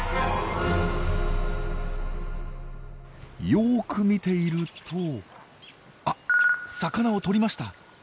よく見ているとあっ魚をとりました！